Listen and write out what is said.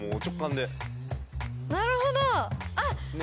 なるほど！